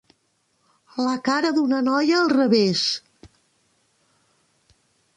La cara d'una noia al revés.